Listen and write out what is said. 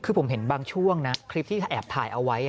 คือผมเห็นบางช่วงนะคลิปที่เขาแอบถ่ายเอาไว้